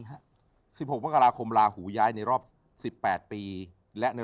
โหลดแล้วคุณราคาโหลดแล้วยัง